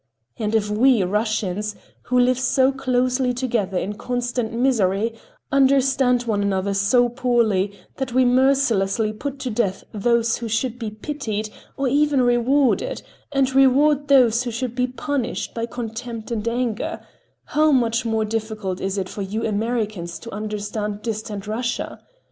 And if we, Russians, who live so closely together in constant misery, understand one another so poorly that we mercilessly put to death those who should be pitied or even rewarded, and reward those who should be punished by contempt and anger—how much more difficult is it for you Americans, to understand distant Russia?